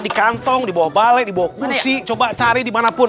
di kantong di bawah balai di bawah kursi coba cari dimanapun